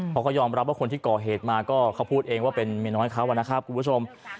เขาก็ยอมรับว่าคนที่ก่อเหตุมาก็เขาพูดเองว่าเป็นเมียน้อยเขานะครับคุณผู้ชม